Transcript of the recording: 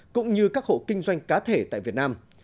cũng như các hộ kinh doanh cá thể tại việt nam